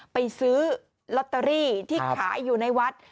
ไปซื้อลอตเตอรี่ที่ขายอยู่ในวัด